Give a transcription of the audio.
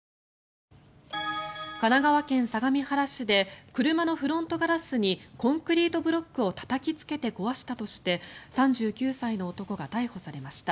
神奈川県相模原市で車のフロントガラスにコンクリートブロックをたたきつけて壊したとして３９歳の男が逮捕されました。